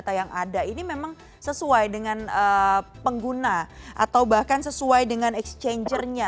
data yang ada ini memang sesuai dengan pengguna atau bahkan sesuai dengan exchangernya